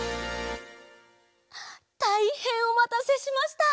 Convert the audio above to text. たいへんおまたせしました。